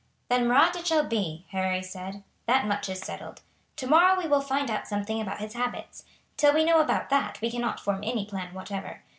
"Then Marat it shall be," Harry said; "that much is settled. Tomorrow we will find out something about his habits. Till we know about that we cannot form any plan whatever.